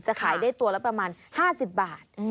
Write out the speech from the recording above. ขายได้ตัวละประมาณ๕๐บาท